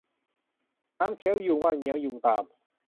น้ำเคี้ยวยูงว่าเงี้ยว ยูงตาม